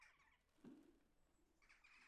胡达费林县居民多操阿塞拜疆语。